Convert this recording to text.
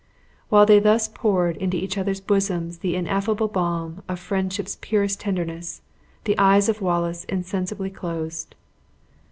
While they thus poured into each other's bosoms the ineffable balm of friendship's purest tenderness, the eyes of Wallace insensibly closed.